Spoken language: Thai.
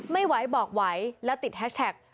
ไม่ไหวบอกไหวแล้วติดแฮชแท็ก